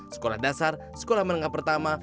sekolah dasar sekolah menengah pertama